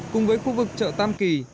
cùng với khu vực chợ tam kỳ